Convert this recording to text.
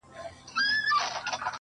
هسي نه چي په شرابو اموخته سم.